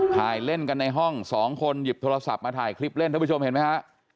ถ่ายเล่นกันในห้องสองคนหยิบโทรศัพท์มาถ่ายคลิปเล่นท่านผู้ชมเห็นไหมฮะ